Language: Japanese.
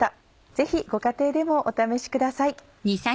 ぜひご家庭でもお試しください。